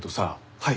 はい。